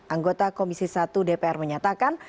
anggota komisi satu dpr menyatakan